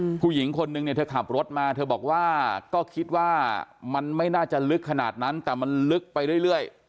ผู้หญิงคนนึงเนี่ยเธอขับรถมาเธอบอกว่าก็คิดว่ามันไม่น่าจะลึกขนาดนั้นแต่มันลึกไปเรื่อยเรื่อย